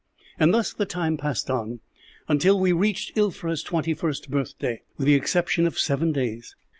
"And thus the time passed on until we reached Ilfra's twenty first birthday, with the exception of seven days.